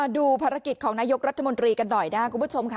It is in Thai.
ดูภารกิจของนายกรัฐมนตรีกันหน่อยนะครับคุณผู้ชมค่ะ